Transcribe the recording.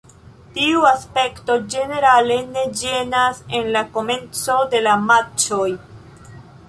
Tiu aspekto ĝenerale ne ĝenas en la komenco de la matĉoj.